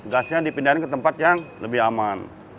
gasnya dipindahin ke tempat yang lebih aman